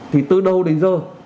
thì từ đầu đến giờ